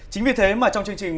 chính vì thế mà trong chương trình